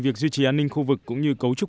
việc duy trì an ninh khu vực cũng như cấu trúc